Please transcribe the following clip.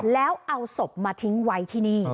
แล้วเอาศพมาทิ้งไว้ที่นี่